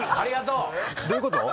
どういうこと？